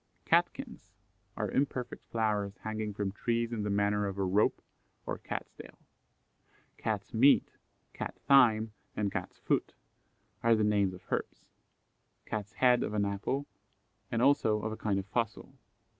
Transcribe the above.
Catkins are imperfect flowers hanging from trees in the manner of a rope or cat's tail. Cat's meat, Cat thyme, and Cat's foot are the names of herbs; Cat's head of an apple, and also of a kind of fossil.